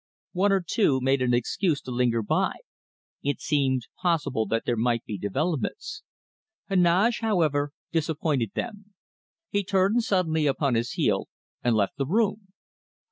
One or two made an excuse to linger by it seemed possible that there might be developments. Heneage, however, disappointed them. He turned suddenly upon his heel and left the room.